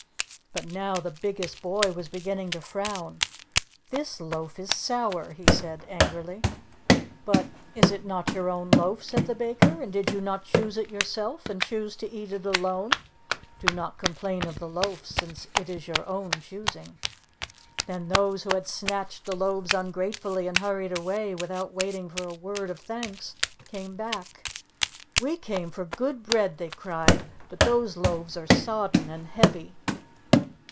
But now the biggest Boy was beginning to frown. "This loaf is sour," he said angrily. "But is it not your own loaf," said the Baker, "and did you not choose it yourself, and choose to eat it alone? Do not complain of the loaf since it is your own choosing." Then those who had snatched the loaves ungratefully and hurried away, without waiting for a word of thanks, came back. "We came for good bread," they cried, "but those loaves are sodden and heavy."